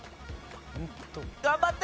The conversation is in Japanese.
頑張って！